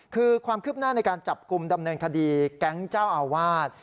คือความคืบหน้าในการจับกลุ่มดำเนินคดีแก๊งเจ้าอาวาส